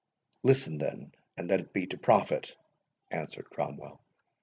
"Listen, then, and let it be to profit," answered Cromwell.